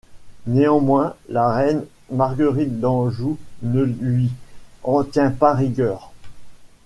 Néanmoins, la reine Marguerite d'Anjou ne lui en tient pas rigueur.